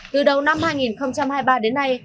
từ đầu năm hai nghìn hai mươi ba đến nay